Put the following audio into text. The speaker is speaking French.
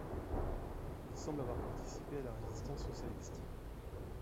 Il semble avoir participé à la résistance socialiste.